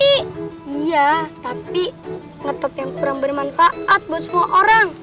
iya tapi ngetop yang kurang bermanfaat buat semua orang